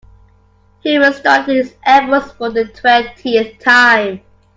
He restarted his efforts for the twentieth time.